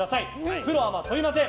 プロ・アマ問いません。